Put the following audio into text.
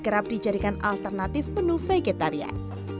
kerap dijadikan alternatif menu vegetarian